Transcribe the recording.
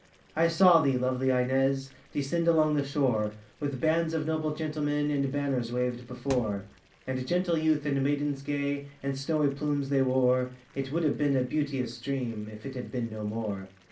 I saw thee, lovely Ines, Descend along the shore, With bands of noble gentlemen, And banners waved before; And gentle youth and maidens gay, And snowy plumes they wore; It would have been a beauteous dream, If it had been no more!